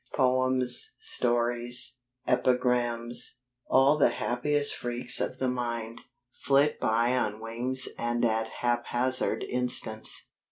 Poems, stories, epigrams, all the happiest freaks of the mind, flit by on wings and at haphazard instants.